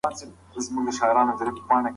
مسواک وهل نیکي زیاتوي.